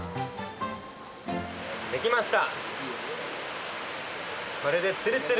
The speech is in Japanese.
できました。